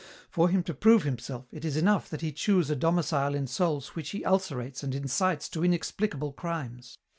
For him to prove himself, it is enough that he choose a domicile in souls which he ulcerates and incites to inexplicable crimes.